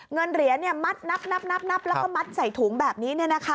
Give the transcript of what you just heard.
เงินเหรียญมัดนับแล้วก็มัดใส่ถุงแบบนี้